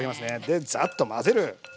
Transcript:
でザッと混ぜる。